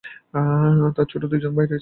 তার ছোট দুইজন ভাই রয়েছে।